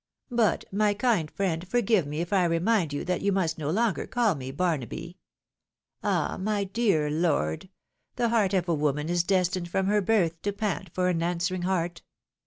But, my kind friend, forgive me if I remind you that you must no longer call me Barnaby. All ! my dear lord ! the heart of a woman is destined from her birth to pant for an answering heart!